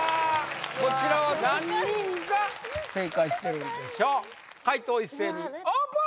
こちらは何人が正解してるんでしょう解答一斉にオープン！